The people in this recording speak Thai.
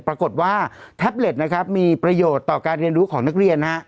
ปรากฏว่าแท็บเล็ตนะครับมีประโยชน์ต่อการเรียนรู้ของนักเรียนนะฮะ